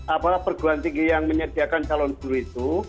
apalagi perguruan tinggi yang menyediakan calon guru itu